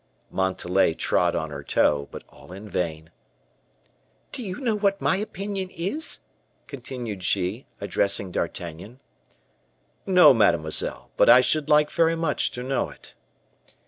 Montalais trod on her toe, but all in vain. "Do you know what my opinion is?" continued she, addressing D'Artagnan. "No, mademoiselle; but I should like very much to know it."